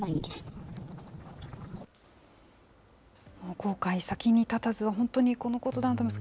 後悔先に立たずは本当にこのことだと思います。